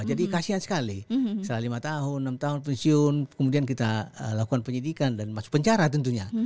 jadi kasian sekali setelah lima tahun enam tahun pensiun kemudian kita lakukan penyidikan dan masuk penjara tentunya